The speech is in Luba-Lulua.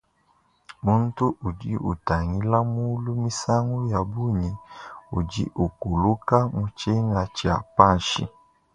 Muntu udi utangila mulu misangu ya bungi udi ukuluku mu tshina tshia panshi.